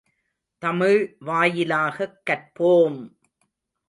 தமிழ் வாயிலாகக் கற்போம்!